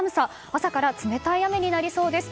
朝から冷たい雨になりそうです。